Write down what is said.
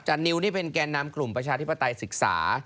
นิวนี่เป็นแก่นำกลุ่มประชาธิปไตยศึกษา